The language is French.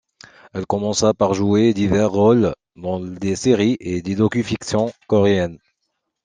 Elle commença par jouer divers rôles dans des séries et docu-fictions coréennes.